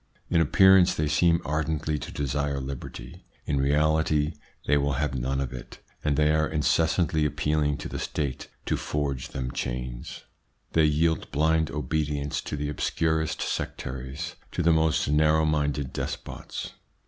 In appearance they seem ardently to desire liberty; in reality they will have none of it, and they are incessantly appealing to the State to forge them chains. They yield blind obedi ence to the obscurest sectaries, to the most narrow minded despots.